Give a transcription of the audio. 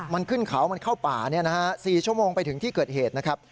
มันขึ้นเขามันเข้าป่า๔ชั่วโมงไปถึงที่เกิดเหตุนะครับ